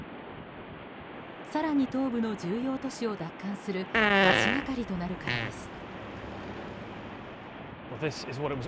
更に東部の重要都市を奪還する足がかりとなるからです。